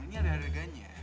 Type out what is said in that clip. ini ada adegannya